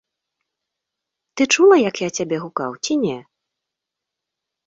Ты чула, як я цябе гукаў, ці не?